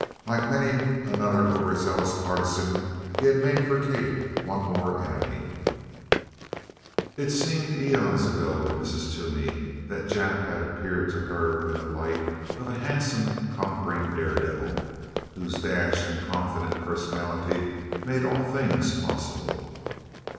Like many another overzealous partisan, he had made for Kate one more enemy. It seemed aeons ago to Mrs. Toomey that Jap had appeared to her in the light of a handsome conquering daredevil, whose dash and confident personality made all things possible.